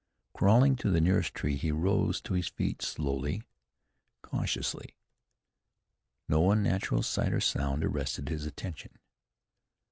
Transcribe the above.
Crawling to the nearest tree he rose to his feet slowly, cautiously. No unnatural sight or sound arrested his attention.